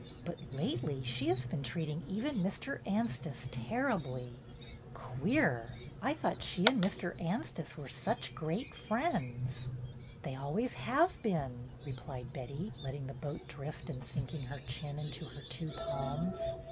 But lately she has been treating even Mr. Anstice terribly." "Queer! I thought she and Mr. Anstice were such great friends." "They always have been," replied Betty, letting the boat drift and sinking her chin into her two palms.